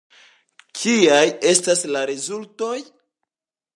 Kiaj estas la rezultoj?